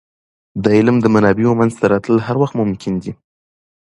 د علم د منابعو منځته راتلل هر وخت ممکن دی.